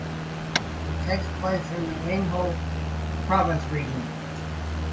It takes place in the Minho Province region.